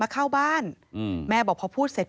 เข้าบ้านแม่บอกพอพูดเสร็จ